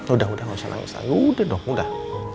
udah udah gausah nangis lagi udah dong udah